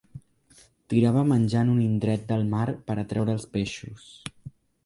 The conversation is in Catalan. Tirava menjar en un indret del mar per atreure els peixos.